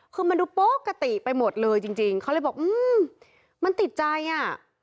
คือมันดูปกติไปหมดเลยจริงจริงเขาเลยบอกอืมมันติดใจอ่ะ